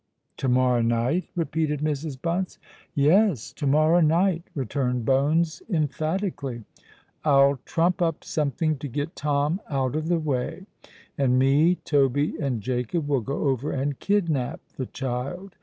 "To morrow night!" repeated Mrs. Bunce. "Yes—to morrow night," returned Bones emphatically. "I'll trump up something to get Tom out of the way; and me, Toby, and Jacob, will go over and kidnap the child.